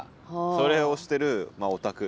それを推してるオタク。